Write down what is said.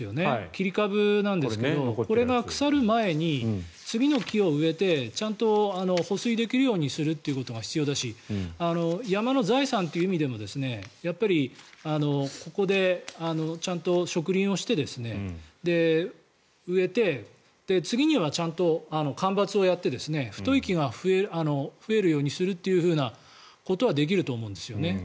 切り株なんですけどこれが腐る前に次の木を植えてちゃんと保水できるようにすることが必要ですし山の財産という意味でもここでちゃんと植林をして植えて次にはちゃんと間伐をやって太い木が増えるようにするということはできると思うんですよね。